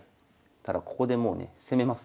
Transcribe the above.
ただここでもうね攻めます。